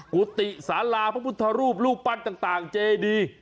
กุฏิสาราพระพุทธรูปรูปปั้นต่างเจดี